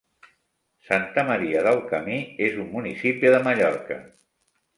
Santa Maria del Camí és un municipi de Mallorca.